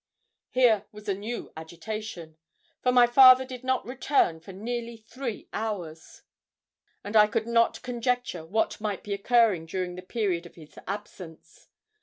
Here was a new agitation; for my father did not return for nearly three hours, and I could not conjecture what might be occurring during the period of his absence.